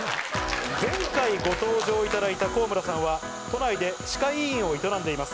前回ご登場いただいた高村さんは都内で歯科医院を営んでいます。